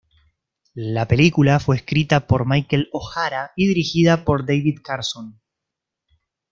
La película fue escrita por Michael O'Hara y dirigida por David Carson.